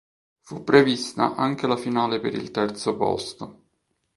Fu prevista anche la finale per il terzo posto.